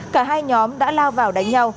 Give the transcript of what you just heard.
cả hai nhóm đã lao vào đánh nhau